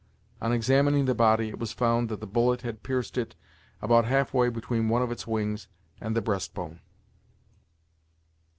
On examining the body, it was found that the bullet had pierced it about half way between one of its wings and the breast bone.